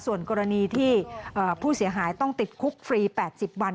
ส่วนกรณีที่ผู้เสียหายต้องติดคุกฟรี๘๐วัน